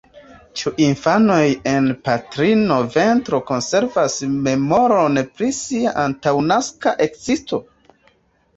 Ĉu infanoj en patrina ventro konservas memoron pri sia antaŭnaska ekzisto?